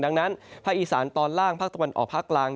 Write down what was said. ดังนั้นภาคอีสานตอนล่างภาคตะวันออกภาคกลาง